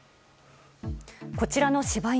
こちらの柴犬。